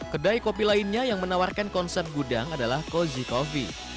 kedai kopi lainnya yang menawarkan konsep gudang adalah cozy coffee